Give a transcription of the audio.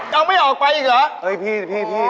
เอาไม่ออกไปอีกเหรอ